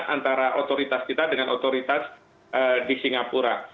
antara otoritas kita dengan otoritas di singapura